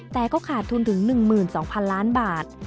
แต่ก็ขาดทุนถึง๑๒๐๐๐ล้านบาท